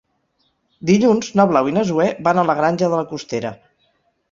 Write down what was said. Dilluns na Blau i na Zoè van a la Granja de la Costera.